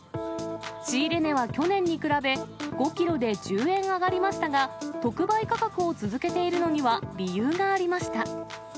仕入れ値は去年に比べ、５キロで１０円上がりましたが、特売価格を続けているのには理由がありました。